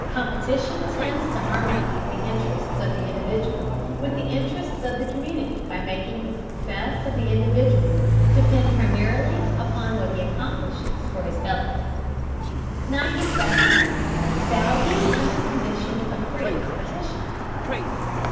Competition tends to harmonize the interests of the individual with the interests of the community, by making the success of the individual depend primarily upon what he accomplishes for his fellows. 97. VALUE UNDER CONDITIONS OF FREE COMPETITION.